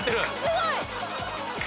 すごい！